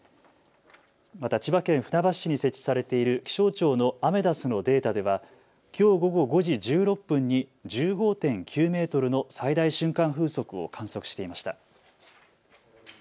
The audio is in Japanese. また千葉県船橋市に設置されている気象庁のアメダスのデータではきょう午後５時１６分に１５．９メートルの最大瞬間風速を観測していました。